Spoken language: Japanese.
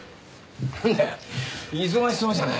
なんだよ忙しそうじゃない。